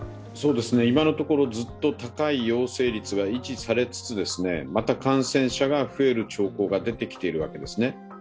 今のところ、ずっと高い陽性率が維持されつつまた感染者が増える兆候が出てきているわけですね。